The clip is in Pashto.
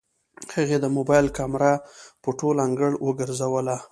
هغې د موبايل کمره په ټول انګړ وګرځوله.